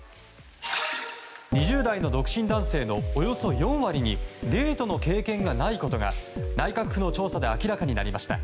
２０代の独身男性のおよそ４割にデートの経験がないことが内閣府の調査で明らかになりました。